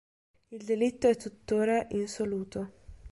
Il delitto è tuttora insoluto.